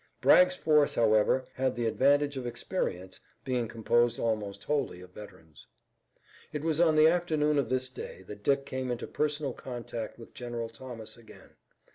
Bragg's force, however, had the advantage of experience, being composed almost wholly of veterans. It was on the afternoon of this day that Dick came into personal contact with General Thomas again.